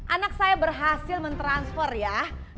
anak saya berhasil mentransfer ya